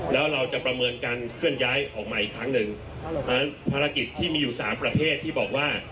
เพราะฉะนั้นภารกิจที่มีอยู่๓ประเภทที่บอกว่า